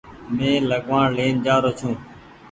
مينٚ لگوآڻ لين جآرو ڇوٚنٚ